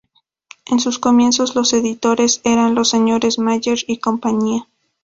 En sus comienzos, los editores eran los señores Mayer y Compañía.